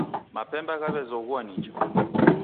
Mapemba ghawezoghua nicha